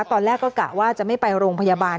ตอนแรกก็กะว่าจะไม่ไปโรงพยาบาล